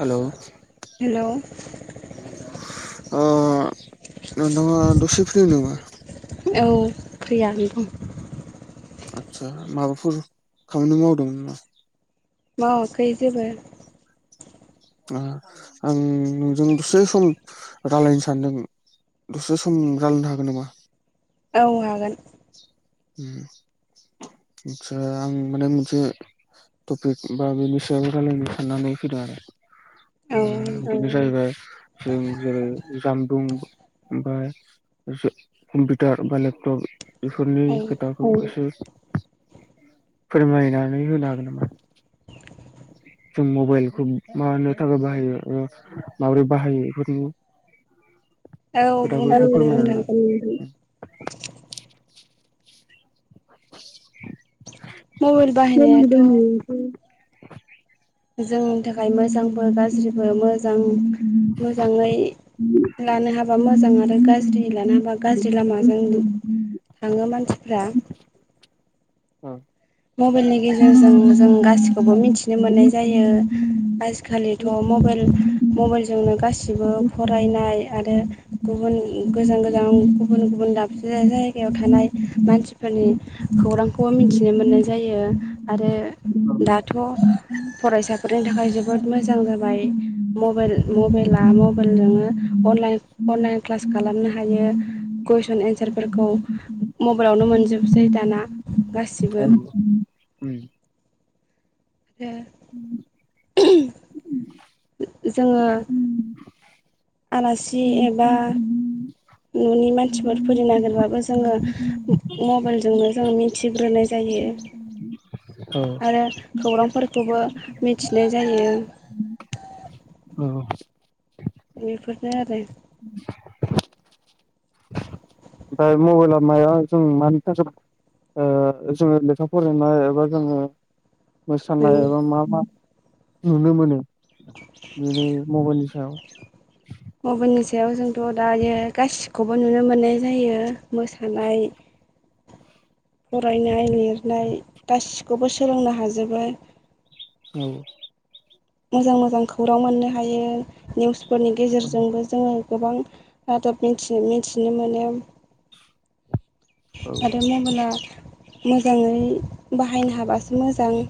Hello hello नोंथाङा दसे free नामा औ फ्रियानो दं आदसा माबाफोर खामानि मावदों नामा मावाखै जेबो आ आं नोंजों दसे सम रालायनो सानदों दसे सम रालायनो हागोन नामा औ हागोन उम आसा आं माने मोनसे टपिक बा बेनि सायाव रायलायनो साननानै फैदों आरो औ उम बेनो जाहैबाय जों जेरै जामबुं ओमफ्राय जा कम्पिउटार बा लेपटप बेफोरनि औ खोथाखौ एसे फोरमायनानै होनो हागोन नामा जों मबाइलखौ मानो थाखाय बाहायो ओ माब्रै बाहायो एफोरनि औ बुंनो खोथाखौ हागोन नोंथां फोरमायनानै मबाइल बाहायनायाथ' [inaudible] जोंनि थाखाय मोजांबो गाज्रिबो मोजां मोजाङै लानो हाबा मोजां आरो गाज्रि लानो हाबा गाज्रि लामाजों थाङो मानसिफ्रा उम मबेलनि गेजेरजों जों गासिखौबो मिथिनो मोननाय जायो आजिखालिथ' मबेल मबेलजोंनो गासिबो फरायनाय आरो गुबुन गोजान गोजान गुबुन गुबुन दाबसे जाय-जायगायाव थानाय मानसिफोरनि खौरांखौबो मिथिनो मोननाय जायो आरो औ औ दाथ' औ उम फरायसाफोरनि थाखाय जोबोद मोजां जाबाय मबेल मबेला मबेलजोंनो अनलाइन अनलाइन क्लास खालामनो हायो औ कुइसन एन्सारफोरखौ मबाइलावनो मोनजोबसै दाना गासिबो उम [inaudible] [unintelligible] जोङो आलासि एबा न'नि मानसिफोर फैनो नागिरबाबो जोङो मबाइलजोंनो जों मिथिग्रोनाय जायो औ रो खौरांफोरखौबो मिथिनाय जायो औ बेफोरनो आरो ओमफाय मबेला माया जों मानि थाखाय ओ जोङो लेखा फरायनाय एबा जोङो मोसानाय ओं एबा मा मा नुनो मोनो बेयो मबाइलनि सायाव मबाइलनि सायाव जोंथ' दायो गासिखौबो नुनो मोननाय जायो मोसानाय फरायनाय लिरनाय गासिखौबो सोलोंनो हाजोबो आरो औ मोजां मोजां खौरां मोननो हायो निउसफोरनि गेजेरजोंबो जोङो गोबां रादाब मिनथिन मिनथिनो मोनो औ आरो मबेला मोजाङै बाहायनो हाबासो मोजां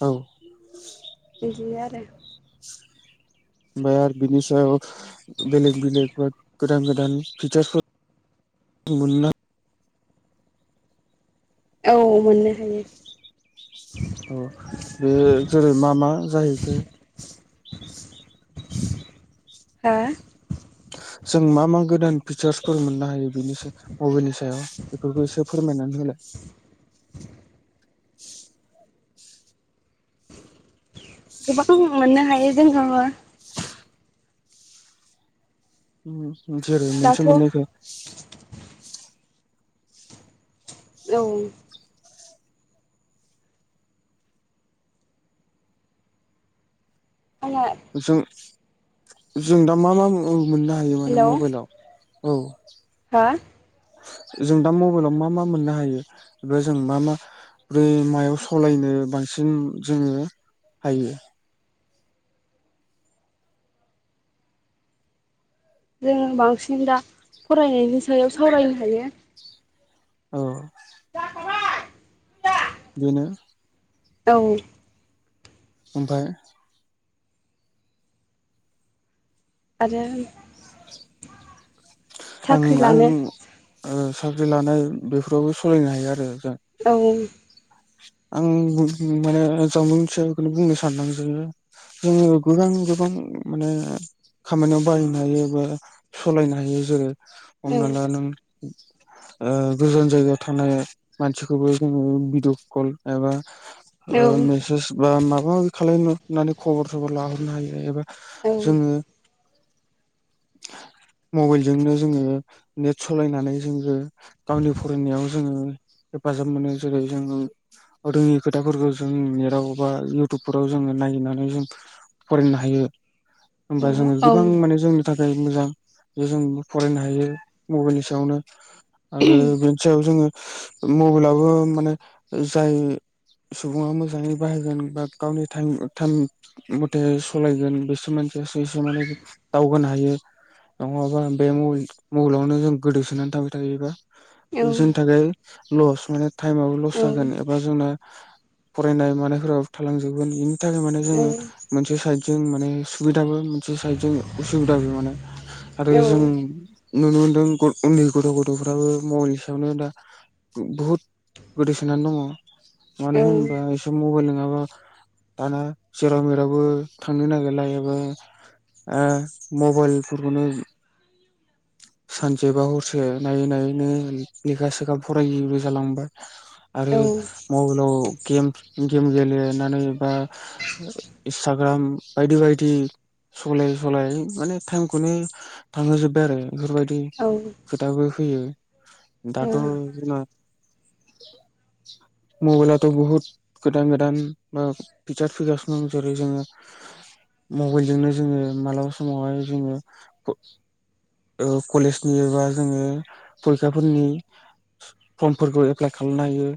औ इदिनो आरो बा बिनि सायाव बेलेग बेलेग बा गोदान गोदान फिचारफोर मोननो औ मोननो हायो अ बेयो जेरै मा मा जाहैखो हा जों मा मा गोदान फिचार्सफोर मोननो हायो बेनि साया बबेनि सायाव बेफोरखौ एसे फोरमायनानै होलाय गोबां मोननो हायो जोंहाबो उम जेरै दाथ' मोनसे औ मोननैखो औ [unintelligible] जों जों दा मा मा मो-मोननो हायो माने हेलौ मबाइलाव औ हा जों दा मबाइलाव मा मा मोननो हायो एबा जों मा मा फ्राय मायाव सलायनो बांसिन जोङो हायो जोङो बांसिन दा फरायनायनि सायाव सावरायनो हायो। औ जाखाबाय [unintelligible] बेनो औ ओमफाय आरो आं साख्रि आं लानो ओ साख्रि लानाय बेफोरावबो सलायनो हायो आरो दा ओं आं माने [unintelligible] बुंनो सानदों जे जोङो गोबां गोबां माने खामानियाव बाहायनो हायो बा सलायनो हायो जेरै औ हमना ला नों ओ गोजान जायगायाव थानाय मानसिखौबो जोङो बिद कल एबा औ ओ मेसेस बा माबा माबि खालामलनो होननानै खबर सबर लाहरनो हायो एबा औ जोङो [inaudible] मबाइलजोंनो जोङो नेट सलायनानै जोङो गावनि फरायनायाव जोङो हेफाजाब मोनो जेरै जोङो रोङि खोथाफोरखौ जों नेटआव बा इउटुबफोराव जोङो नायगिनानै जों फरायनो हायो होमबा जोङो औ औ गोबां माने जोंनो थाखाय मोजां बे जों फरायनो हायो मबाइलनि सायावनो आरो बे सायाव जोङो मबेलाबो माने जाय सुबुङा मोजाङै बाहायगोन बा गावनि टाइम टाइम मथे सलायगोन बिसोरस से माने दावगानो हायो। नङाबा बे मबाइल-मबाइलावनो जों गोदोसोनानै थाबाय थायोबा औ बिसोरनि थाखाय लस माने टाइमाव औ जागोन एबा जोंना फरायनाय मानायफोराबो थालांजोबगोन। थाखाय माने जोङो औ मोनसे साइद जों माने सुबिदाबो मोनसे साइद जों उसुबिदाबो माने आरो जों नुनो मोनदों ग उन्दै गथ' गथ'फ्राबो मबेलनि सायावनो दा बहुद नानै दङ' मानो होनोबा औ मबाइल नङाबा दाना जेराव मेरावबो थांनो नागिरला एबा ओ मबाइलफोरखौनो सानसे बा हरसे नायै नायैनो लेखा सेखा फरायैबो जालांबाय। आरो मबाइलाव गेम गेम गेलेनानै बा इन्सटाग्राम बायदि बायदि। सलाय सलायै माने टाइमखौनो थांहोजोबबाय आरो। बेफोरबायदि खोथाबो फैयो दाथ' जोंना मबाइलाथ' बहुद गोदान गोदान ओ फिटार फैगासिनो दं जेरै जोङो मबाइलजोंनो जोङो मालाबा समाव‌‌ हाय जोङो ओ कलेजनि एबा जोङो फरायसाफोरनि फर्मफोरखौ एप्लाइ खालामनो हायो।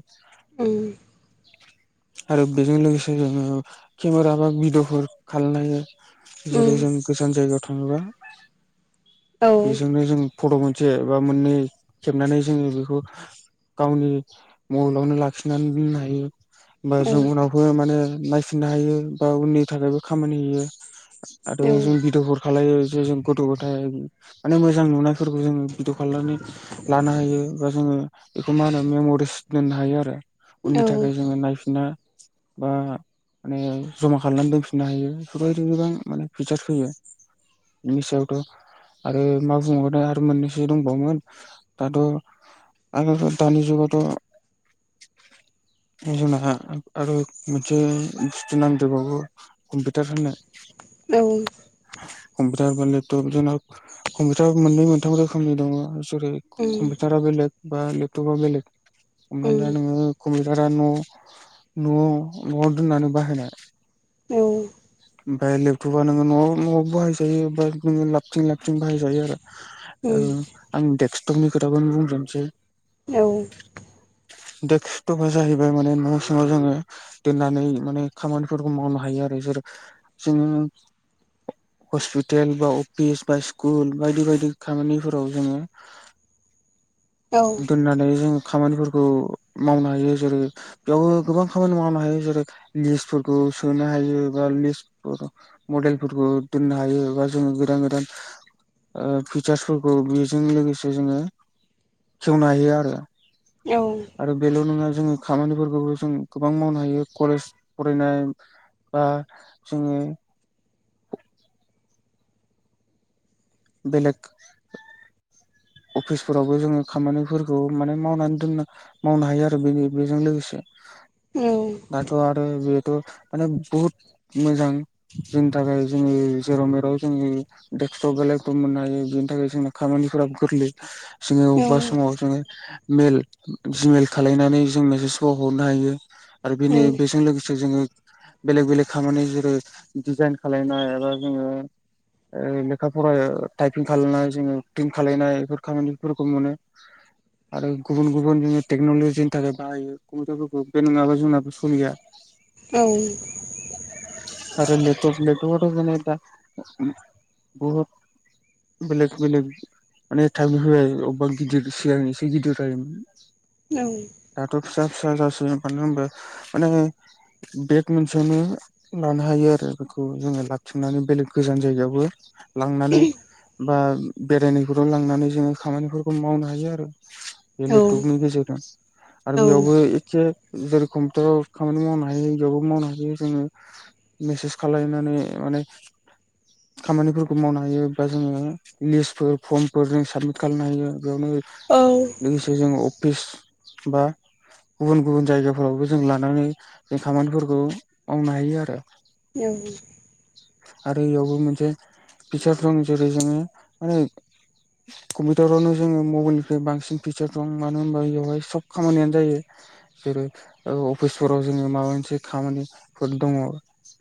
उम। आरो बेजों लोगोसे जोङो केमेरा बा भिडिअफोर खालामनो हायो। जेरै जों गोजान जायगायाव थाङोबा बेजोंनो जों फट' मोनसे एबा मोननै खेबनानै जोङो बेखौ गावनि मबेलावनो लाखिनानै दोननो हायो होमबा जों उनाव बो माने नायफिननो हायो बा उननि थाखायबो खामानि होयो आरो औ जों भिडअफोर खालायो जे जों गथ' गथाय माने मोजां नुनायफोरखौ जोङो भिडअ खालायनानै लानो हायो बा जोङो बेखौ मा होनो मेमरिस दोननो हायो आरो औ उननि औ थाखाय जोङो नायफिनना बा माने जमा खालामनानै दोनफिननो हायो बेफोरबायदि गोबां माने पिज फैयो। मिनि सायावथ आरो मा बुंङबावो आरो मोननैसो दंबावोन दाथ' आगोल दानि जुगावथ' जोंना आरो मोनसे बुस्थु नांदेरबावो कम्पिउटार होनो औ। कम्पिउटार बा लेपटप जोंना कम्पिउटार मोननै मोनथाम रोखोमनि दङ जेरै कम्पिउटारा बेलेग बा लेपटप बेलेग। हमना नोङो कम्पिउटारा न' न' न'आव दोननानै बाहायनाय। औ। उमफाय लेपटपा नोङो न'आव न'आव बाहायजायो बाद नोङो लाथिं लाबथिं बाहायजायो आरो। आं दडेक्सकटपनि खोथाखौनो बुंजेनसै। औ। देस्खथबआ जाहैबाय माने न' समाव जोङो दोननानै माने खामानिफोरखौ मावनो हायो आरो जेरै जोङो हस्पिटेल बा अफिस बा स्कुल बायदि बायदि खामानिफोराव जोङो दोननानै जों खामानिफोरखौ मावनो हायो जेरै बेयावबो गोबां खामानि मावनो हायो जेरै लिस्टफोरखौ सोनो हायो बा लिस्ट मडेलफोरखौ दोननो हायो एबा जोङो गोदान गोदान ओ फिचार्सफोरखौ बेजों लोगोसे जोङो खेवनो हायो आरो। औ। आरो बेल' नङा जोङो खामानिफोरखौबो जों गोबां मावनो हायो कलेज फरायनाय। बा जोङो [inaudible] बेलेग अफिसफोरावबो जोङो खामानिफोरखौ माने मावनानै दोनना मावनो हायो आरो बेनि बेजों लोगोसे। औ। आरथ आरो बियो माने बहुत मोजां। जोंनि थाखाय जोंनि जेराव मेराव जोंनि दडेक्सटप बेलेगफोर मोननो हायो बिनि थाखाय जोंना खामानिफोराबो गोरलै जोङो अबेबा समाव जोङो मेल जिमेल खालायनानै जों मेसेजखौ हरनो हायो। आरो बेनो बेजों लोगोसे जोङो बेलेग बेलेग खामानि जेरै डिजाइन खालायनाय एबा जोङो ओ लेखा फरायाव टाइपिं खालामनानै जोङो खालायनाय बेफोर खामानिफोरखौ मोनो। आरो गुबुन गुबुन जोङो टेक्न'लजिनि थाखाय बाहायो कम्पिउटारफोरखौ बे नङाबा जोंनाबो सलिया। औ आरो नेटवर्क‌ नेटवर्कआवथ' जोङो दा बहुत बेलेग बेलेग माने थाबनो होबाय अबेबा गिदिर सिगां एसे गिदिर जायोमोन। औ दाथ' फिसा फिसा जासै मानो होनबा माने बेग मोनसेयावनो लानो हायो आरो बेखौ जोङो लाबथिंनानै बेलेग गोजान जायगायावबो लांनानै बा बेरायनो दिरुन लांनानै जोङो खामानिफोरखौ मावनो हायो आरो बे लेपटपनि गेजेरजों। आरो बेयावबो एखे जेरै कम्पिउटाराव खामानि मावनो हायो बेयावबो मावनो हायो जोङो मेसेज खालायनानै माने खामानिफोरखौ मावनो हायो बा जोङो लिस्टफोर फर्मफोर जों साबमिट खालामनो हायो बेयावनो लोगोसे जों अफिस बा गुबुन गुबुन जायगाफोरावबो जों लानानै जों खामानिफोरखौ मावनो हायो आरो। औ आरो इयावबो मोनसे फिचार दं जेरै जोङो माने कम्पिउटारावनो जोङो मबाइलनिफ्राय बांसिन फिचार दं मानो होनबा बेयावहाय सब खामानियानो जायो। जेरै ओ अफिसफोराव जोङो माबा मोनसे खामानिफोर दङ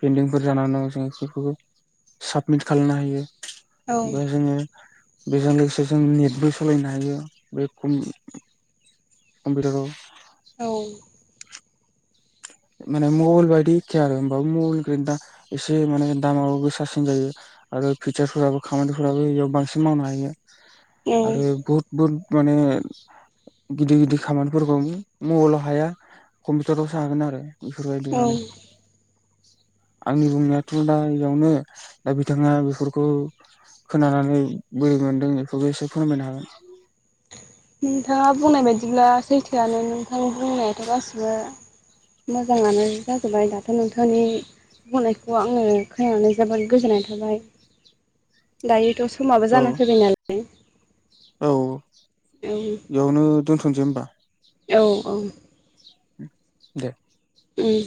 पेन्दिंफोर जानानै जोङो बेफोरखौबो साबमिट खालामनो हायो ओमफ्राय जोङो बेजों लोगोसे जों नेटबो सालायनो हायो बे कम्पिउटाराव औ माने मबाइल बायदि एखे आरो होमबा मबाइल निख्रुइ दा एसे माने दामाब गोसासिन जायो। आरो फिचारसफोराबो खामानिफोराबो इयाव बांसिन मावनो हायो आरो बहुद बहुत माने गिदिर गिदिर खामानिफोरखौ मबाइलाव हाया कम्पिउटाराव- सो हागोन आरो बेफोरबायदि माने। आंनि बुंनायाथ' दा इयावनो दा बिथाङा बेफोरखौ खोनानानै बोरै मोनदों बेखौबो एसे फोरमायनो हागोन। नोंथाङा बुंनाय बायदिब्ला सैथोआनो नोंथां बुंनायाथ' गासिबो मोजाङानो जाजोब्बाय दाथ' नोंथांनि बुंनायखौ आङो खोनानानै जोबोद गोजोननाय थाबाय। दायोथ' समाबो औ जानानै फैबाय नालाय औ उम बेयावनो दोनथ'नोसै होमबा? औ औ दे उम।